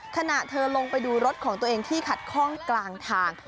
ขณะเธอลงไปดูรถของตัวเองที่ขัดข้องกลางทาง